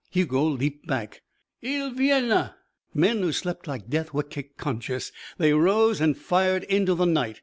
Hugo leaped back. "Ils viennent!" Men who slept like death were kicked conscious. They rose and fired into the night.